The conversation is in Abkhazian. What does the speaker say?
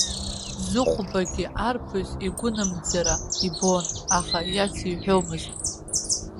Зыхәбагьы, арԥыс игәынамӡара ибон, аха иациҳәомызт.